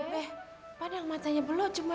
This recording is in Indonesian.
be mana yang matanya blok cuma ya